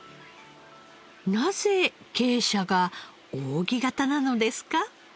なぜ鶏舎が扇形なのですか？